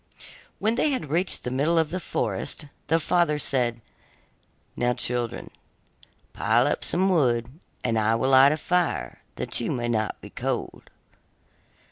When they had reached the middle of the forest, the father said: 'Now, children, pile up some wood, and I will light a fire that you may not be cold.